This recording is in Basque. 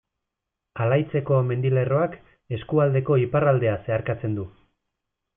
Alaitzeko mendilerroak eskualdeko iparraldea zeharkatzen du.